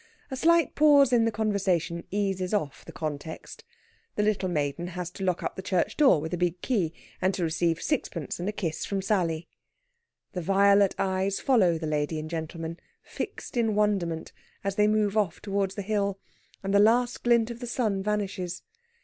A slight pause in the conversation eases off the context. The little maiden has to lock up the church door with the big key, and to receive sixpence and a kiss from Sally. The violet eyes follow the lady and gentleman, fixed in wonderment, as they move off towards the hill, and the last glint of the sun vanishes.